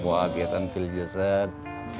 wa agiatan fil jasad